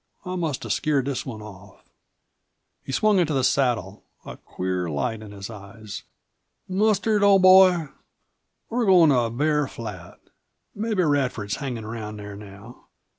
I must have scared this one off." He swung into the saddle, a queer light in his eyes. "Mustard, old boy, we're goin' to Bear Flat. Mebbe Radford's hangin' around there now.